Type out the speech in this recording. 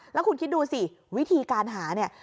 แล้วคุณคิดดูสิวิธีการหาเนี่ย